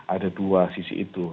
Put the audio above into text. ada dua sisi itu